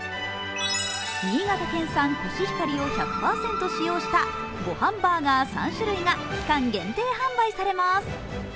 新潟県産コシヒカリを１００％使用したごはんバーガー３種類が期間限定販売されます。